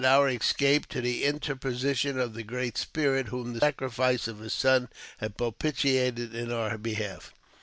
whom i our escape to the interposition of the Great Spirit sacrifice of his son had propitiated in our behalf.